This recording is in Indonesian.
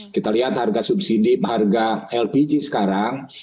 kita lihat harga subsidi harga lpg sekarang